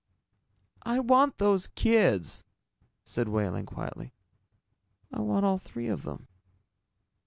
"I want those kids," said Wehling quietly. "I want all three of them."